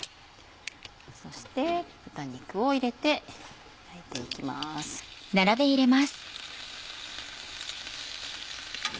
そして豚肉を入れて焼いていきます。